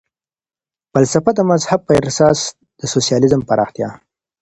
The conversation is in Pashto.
فلسفه د مذهب پر اساس د سوسیالیزم پراختیا.